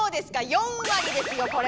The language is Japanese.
４割ですよこれ！